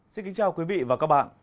xin kính chào quý vị và các bạn